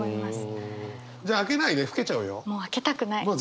じゃあ開けないで。